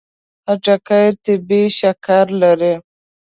خټکی طبیعي شکر لري.